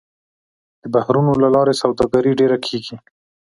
د بحرونو له لارې سوداګري ډېره کېږي.